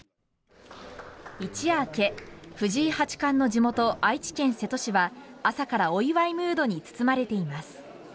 一夜明け、藤井八冠の地元愛知県瀬戸市は朝からお祝いムードに包まれています。